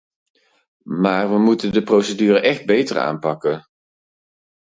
Maar we moeten de procedure echt beter aanpakken.